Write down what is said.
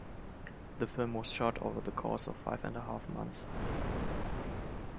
The film was shot over the course of five-and-a-half months.